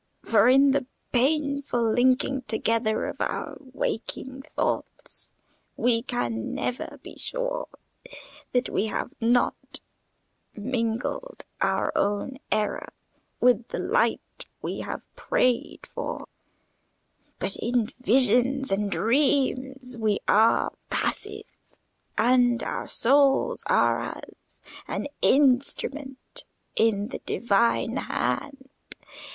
For in the painful linking together of our waking thoughts we can never be sure that we have not mingled our own error with the light we have prayed for; but in visions and dreams we are passive, and our souls are as an instrument in the Divine hand.